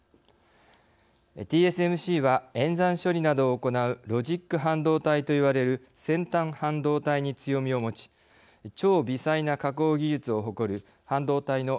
ＴＳＭＣは演算処理などを行うロジック半導体といわれる先端半導体に強みを持ち超微細な加工技術を誇る半導体の受託生産会社です。